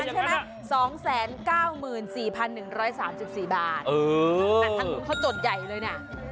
ทั้งคุณเขาจดใหญ่เลยนะ